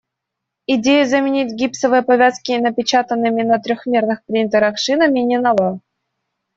Идея заменить гипсовые повязки напечатанными на трёхмерных принтерах шинами не нова.